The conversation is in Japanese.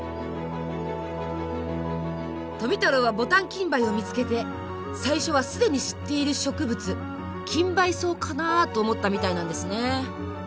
富太郎はボタンキンバイを見つけて最初は既に知っている植物キンバイソウかな？と思ったみたいなんですね。